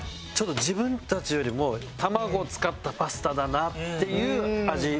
自分たちよりも卵を使ったパスタだなっていう味。